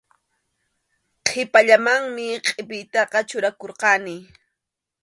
Qhipallamanmi qʼipiytaqa churakurqani.